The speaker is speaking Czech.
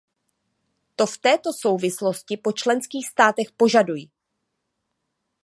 To v této souvislosti po členských státech požaduji.